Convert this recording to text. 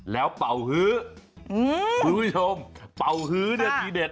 แล้วเป่าฮื้อคุณผู้ชมเป่าฮื้อเนี่ยทีเด็ด